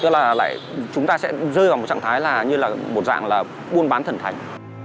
tức là lại chúng ta sẽ rơi vào một trạng thái là như là một dạng là buôn bán thần thánh